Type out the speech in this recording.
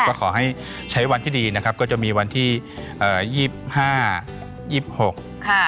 ก็ขอให้ใช้วันที่ดีนะครับก็จะมีวันที่เอ่อยี่สิบห้ายี่สิบหกค่ะ